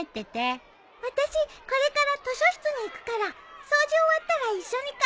私これから図書室に行くから掃除終わったら一緒に帰ろうよ。